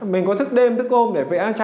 mình có thức đêm thức ôm để vẽ tranh